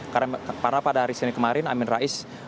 karena pada hari senin kemarin amin rais